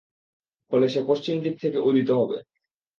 ফলে সে পশ্চিম দিক থেকে উদিত হবে।